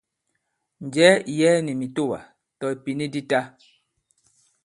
Njɛ̀ɛ ì yɛɛ nì mìtoà, tɔ̀ ìpìni di ta.